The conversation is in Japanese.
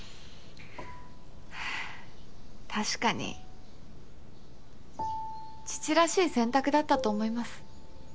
確かに父らしい選択だったと思います。